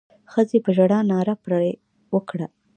ښځې په ژړا ناره پر وکړه.